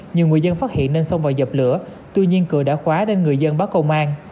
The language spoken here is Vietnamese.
nhiều người dân phát hiện nên xông vào dập lửa tuy nhiên cường đã khóa nên người dân báo công an